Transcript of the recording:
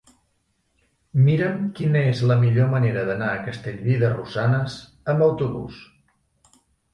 Mira'm quina és la millor manera d'anar a Castellví de Rosanes amb autobús.